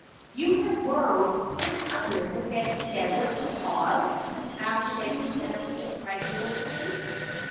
"You have burrowed clear under the Deadly Desert to Oz?" asked the Shaggy Man incredulously.